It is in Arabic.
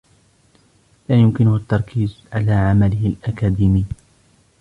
لا يمكنه التركيز على عمله الأكاديمي.